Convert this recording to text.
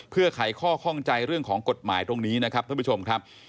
เพื่อไขข้อข้องใจเรื่องของกฎหมายตรงนี้นะครับท่านผู้ชมครับ